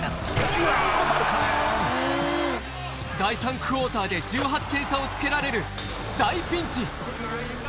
第３クオーターで１８点差をつけられる大ピンチ。